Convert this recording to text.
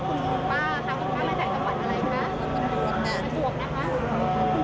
ตอนนี้เป็นครั้งหนึ่งครั้งหนึ่งครั้งหนึ่งครั้งหนึ่ง